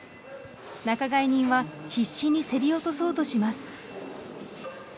仲買人は必死に競り落とそうとします。